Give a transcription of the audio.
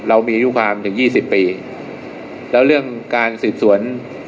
เรามีอายุความถึงยี่สิบปีแล้วเรื่องการสืบสวน